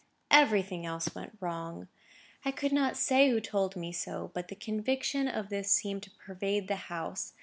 Everything else went wrong. I could not say who told me so—but the conviction of this seemed to pervade the house.